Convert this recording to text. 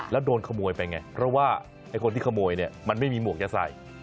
แล้วโดนขโมยไปไงเพราะว่าไอ้คนที่ขโมยเนี่ยมันไม่มีหมวกจะใส่